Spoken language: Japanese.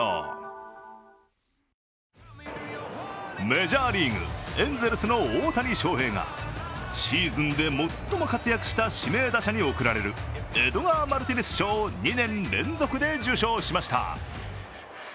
メジャーリーグ・エンゼルスの大谷翔平がシーズンで最も活躍した指名打者に贈られるエドガー・マルティネス賞を２年連続で受賞しました。